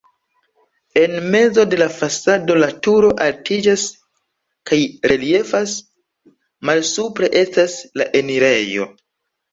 En mezo de la fasado la turo altiĝas kaj reliefas, malsupre estas la enirejo.